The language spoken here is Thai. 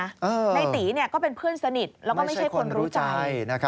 ในตีก็เป็นเพื่อนสนิทแล้วก็ไม่ใช่คนรู้ใจ